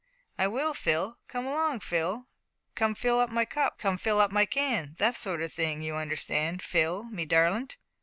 "I will, Phil; come along, Phil; `Come fill up my cup, come fill up my can' that sort o' thing you understand, Phil, me darlint?"